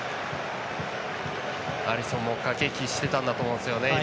アリソンも駆け引きしてたんですよね。